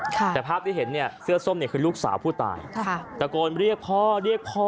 แต่ภาพที่เห็นเนี่ยเสื้อส้มเนี่ยคือลูกสาวผู้ตายค่ะตะโกนเรียกพ่อเรียกพ่อ